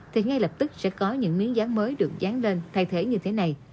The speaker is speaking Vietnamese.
thì ngay lập tức sẽ có những miếng dán mới được dán lên thay thế như thế này